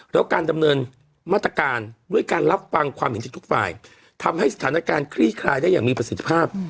แล้วการดำเนินมาตรการด้วยการรับฟังความเห็นจากทุกฝ่ายทำให้สถานการณ์คลี่คลายได้อย่างมีประสิทธิภาพ